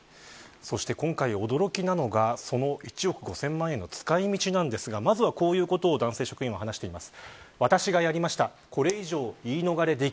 そして今回、驚きなのがその１億５０００万円の使い道なんですが、まずはこういうことを男性職員は話しています。